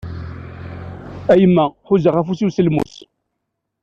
A yemma, ḥuzaɣ afus-iw s lmus!